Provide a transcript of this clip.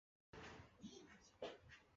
三圣寺的确切创建年代无从考证。